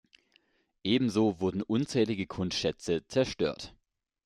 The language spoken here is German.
Ebenso wurden unzählige Kunstschätze zerstört.